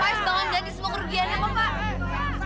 pak saya bangun ganti semua kerugiannya pak